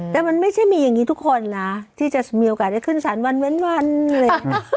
แต่มันไม่ใช่มีอย่างนี้ทุกคนนะที่จะมีโอกาสได้ขึ้นสารวันเว้นวันอะไรอย่างนี้